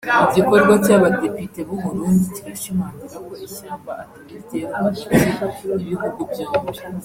Igikorwa cy’abadepite b’u Burundi kirashimangira ko ishyamba atari ryeru hagati y’ibihugu byombi